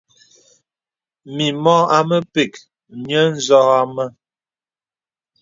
Mì mɔ amə̀ pək nyə̄ ǹzō a mə̀.